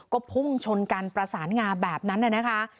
ก็พุ่งชนกันประสานงาแบบนั้นนะคะ